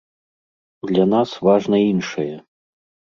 Для нас важна іншае.